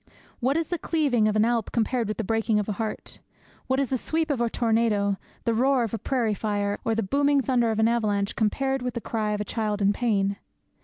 What is the cleaving of an Alp compared with the breaking of a heart? What is the sweep of a tornado, the roar of a prairie fire, or the booming thunder of an avalanche, compared with the cry of a child in pain?'